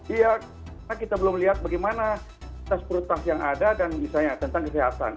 iya karena kita belum lihat bagaimana tas brutas yang ada dan misalnya tentang kesehatan